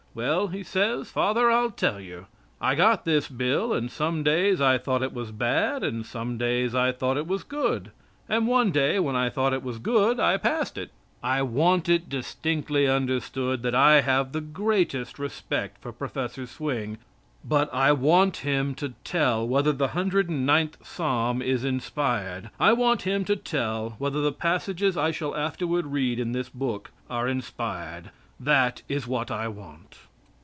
"Well," he says, "father, I'll tell you. I got this bill and some days I thought it was bad and some days I thought it was good, and one day when I thought it was good I passed it." I want it distinctly understood that I have the greatest respect for Prof. Swing, but I want him to tell whether the 109th psalm is inspired. I want him to tell whether the passages I shall afterward read in this book are inspired. That is what I want.